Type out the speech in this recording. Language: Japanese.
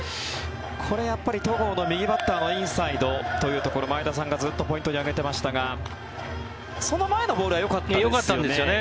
これは戸郷の右バッターのインサイドというところ前田さんがずっとポイントに挙げていましたがその前のボールはよかったんですよね。